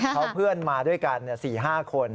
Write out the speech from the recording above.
เขาเพื่อนมาด้วยกัน๔๕คน